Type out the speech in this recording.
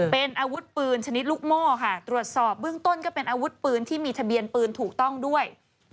เป็นอาวุธปืนชนิดลูกโม่ค่ะตรวจสอบเบื้องต้นก็เป็นอาวุธปืนที่มีทะเบียนปืนถูกต้องด้วย